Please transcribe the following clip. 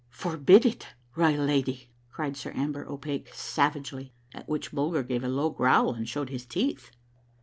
"Forbid it, royal lady! " cried Sir Amber O'Pake savagely, at which Bulger gave a low growl and showed his teeth.